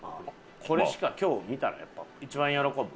これしか今日見たらやっぱ一番喜ぶ。